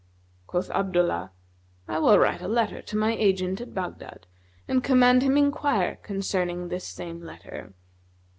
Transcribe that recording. Quoth Abdullah, "I will write a letter to my agent[FN#250] at Baghdad and command him enquire concerning this same letter.